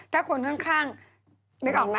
ถ้าคนข้างนึกออกไหม